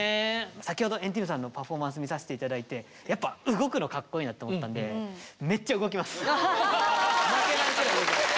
先ほど＆ＴＥＡＭさんのパフォーマンス見させて頂いてやっぱ動くのかっこいいなと思ったんで負けないくらい動きます。